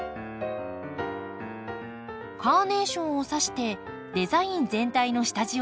カーネーションをさしてデザイン全体の下地をつくります。